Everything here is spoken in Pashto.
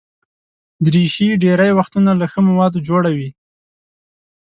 دریشي ډېری وختونه له ښه موادو جوړه وي.